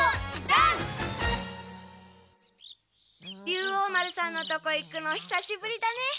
竜王丸さんのとこ行くのひさしぶりだね。